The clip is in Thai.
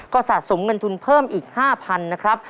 ก็สะสมเงินทุนเพิ่มอีก๕๐๐๐นะครับ